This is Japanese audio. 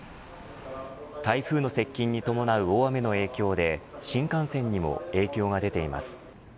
台風の接近に伴う大雨の影響で新幹線にも影響が出ています。